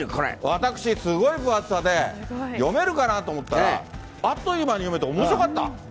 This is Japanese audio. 私すごい分厚さで、読めるかなと思ったら、あっという間に読めて、おもしろかった。